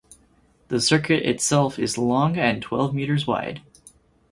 The circuit itself is long and twelve meters wide.